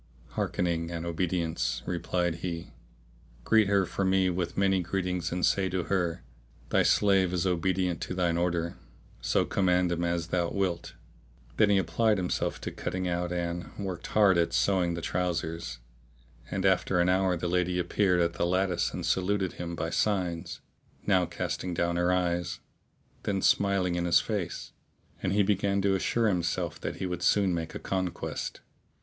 "Hearkening and obedience!' replied he, "greet her for me with many greetings and say to her, Thy slave is obedient to thine order; so command him as thou wilt." Then he applied himself to cutting out and worked hard at sewing the trousers; and after an hour the lady appeared at the lattice and saluted him by signs, now casting down her eyes, then smiling in his face, and he began to assure himself that he would soon make a conquest.